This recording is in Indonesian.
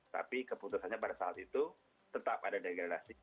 tapi keputusannya pada saat itu tetap ada degradasi